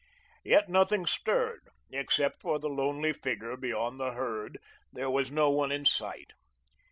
Yet nothing stirred; except for the lonely figure beyond the herd there was no one in sight.